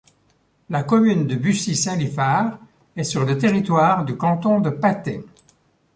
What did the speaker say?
La commune de Bucy-Saint-Liphard est sur le territoire du canton de Patay.